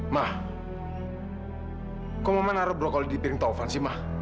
mah kok mama taruh brokoli di piring taufan sih mah